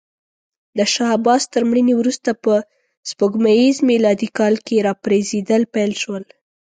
د شاه عباس تر مړینې وروسته په سپوږمیز میلادي کال کې راپرزېدل پیل شول.